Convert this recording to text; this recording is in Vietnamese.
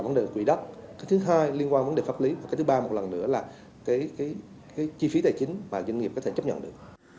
vấn đề quỷ đất thứ hai liên quan vấn đề pháp lý và thứ ba một lần nữa là chi phí tài chính mà doanh nghiệp có thể chấp nhận được